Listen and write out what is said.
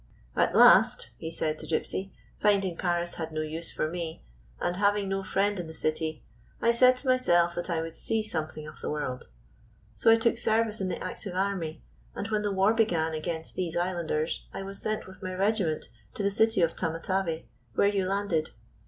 "At last," he said to Gypsy, "finding Paris had no use for me, and having no friend in the city, I said to myself that I would see something of the world. So I took service in the active army, and when the war began against these islanders I was sent with my regiment to 170 MUCH IN LITTLE the city of Tamatave, where you landed.